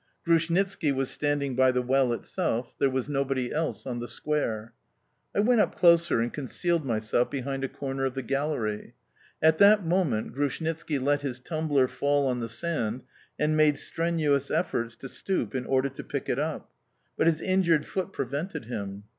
Grushnitski was standing by the well itself; there was nobody else on the square. I went up closer and concealed myself behind a corner of the gallery. At that moment Grushnitski let his tumbler fall on the sand and made strenuous efforts to stoop in order to pick it up; but his injured foot prevented him.